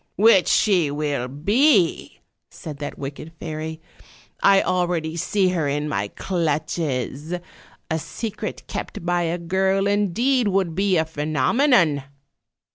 " 'Which she will be,' said that wicked fairy, 'I al ready see her in my clutches; a secret kept by a girl, indeed, would be a phenomenon!'